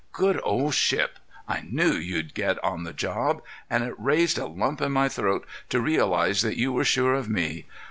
Good old Shipp! I knew you'd get on the job, and it raised a lump in my throat to realize that you were sure of me.